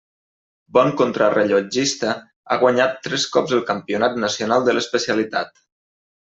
Bon contrarellotgista, ha guanyat tres cops el Campionat nacional de l'especialitat.